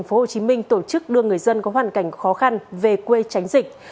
tp hcm tổ chức đưa người dân có hoàn cảnh khó khăn về quê tránh dịch